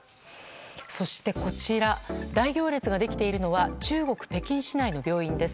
そして、大行列ができているのは中国・北京市内の病院です。